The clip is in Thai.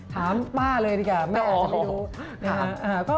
อ๋อถามป้าเลยด่งเกะ